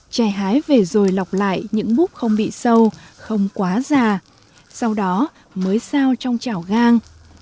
trè hái về rồi lọc lại những bút không bị sâu không quá già sau đó mới sao trong chảo gan